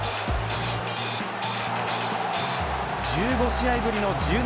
１５試合ぶりの１７号。